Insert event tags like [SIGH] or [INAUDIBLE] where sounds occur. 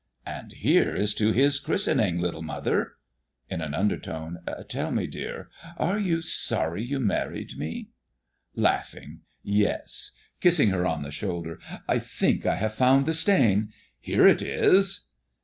"And here is to his christening, little mother!" In an undertone: "Tell me, dear, are you sorry you married me?" [LAUGHS] "Yes. [Kissing her on the shoulder.] I think I have found the stain. Here it is."